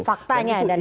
faktanya ada data